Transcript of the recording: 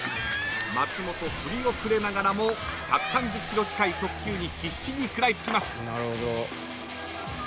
［松本振り遅れながらも１３０キロ近い速球に必死に食らいつきます］